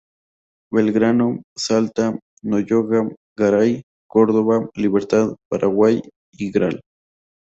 Belgrano, Salta, Nogoyá, Garay, Córdoba, Libertad, Paraguay, Gral.